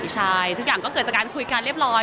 ใช่ทุกอย่างก็เกิดจากการคุยกันเรียบร้อย